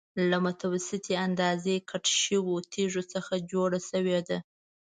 له متوسطې اندازې کټ شویو تېږو څخه جوړه شوې ده.